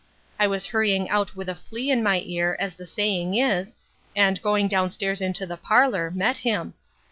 I was hurrying out with a flea in my ear, as the saying is, and going down stairs into the parlour, met him.